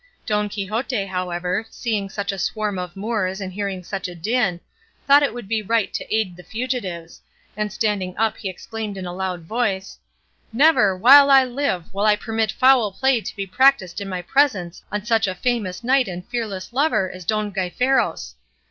Don Quixote, however, seeing such a swarm of Moors and hearing such a din, thought it would be right to aid the fugitives, and standing up he exclaimed in a loud voice, "Never, while I live, will I permit foul play to be practised in my presence on such a famous knight and fearless lover as Don Gaiferos.